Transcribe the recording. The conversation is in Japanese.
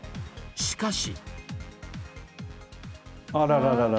しかし。